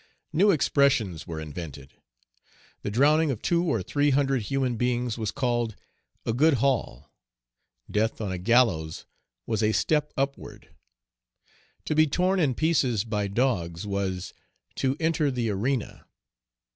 New expressions were invented. The drowning of two or three hundred human beings was called "a good haul;" death on a gallows was "a step upward;" to be torn in pieces by dogs was "to enter the arena."